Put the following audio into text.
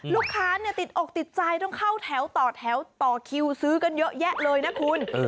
ลูกค้าติดอกติดใจต้องเข้าแถวต่อแถวต่อคิวซื้อกันเยอะแยะเลยนะคุณ